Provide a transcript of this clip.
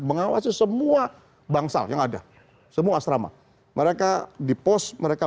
mengawasi semua bangsal yang ada semua asrama mereka di pos mereka